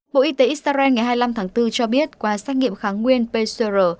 bộ y tế israel ngày hai mươi năm tháng bốn cho biết qua xét nghiệm kháng nguyên pcr